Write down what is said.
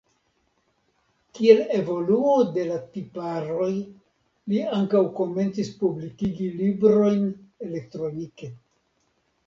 Kiel evoluo de la tiparoj li ankaŭ komencis publikigi librojn elektronike.